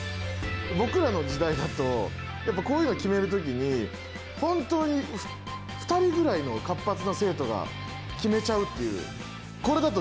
僕らの時代だとやっぱこういうの決める時に本当に２人ぐらいの活発な生徒が決めちゃうっていう。